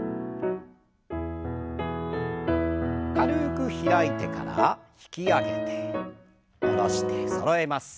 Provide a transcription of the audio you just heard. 軽く開いてから引き上げて下ろしてそろえます。